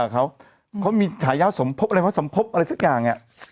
เขามีสมภพอะไรสักอย่าง